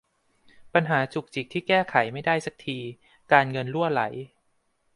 ปัญหาจุกจิกที่แก้ไขไม่ได้สักที การเงินรั่วไหล